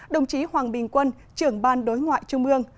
đồng chí hoàng bình quân trưởng ban đối ngoại trung ương